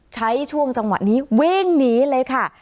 ช่วงจังหวะนี้วิ่งหนีเลยค่ะ